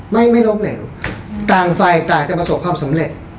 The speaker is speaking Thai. ไม่ไม่ล้มเหลวต่างไฟต่างจะประสบความสำเร็จ